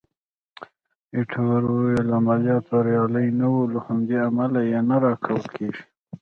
ایټور وویل: عملیات بریالي نه وو، له همدې امله یې نه راکول کېږي.